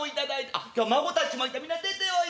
あっ今日は孫たちもいたみんな出ておいで。